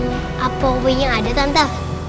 apa uangnya ada tante